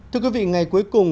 thưa quý vị ngày cuối cùng